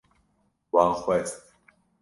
Wan xwest